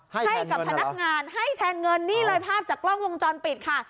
ให้กับพนักงานให้แทนเงินนี่เลยภาพจากกล้องวงจรปิดค่ะ